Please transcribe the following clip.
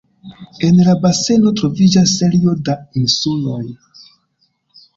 En la baseno troviĝas serio da insuloj.